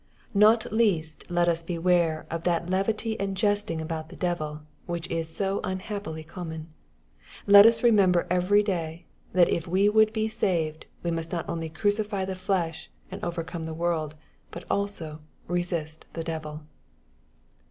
Not least let us beware of that levity and jesting about the devil, which is so unhappily common. Let us remember every day, that if we jjoold be saved, we must not only crucify the flesh, and overcome the world, but alao " resist the devil."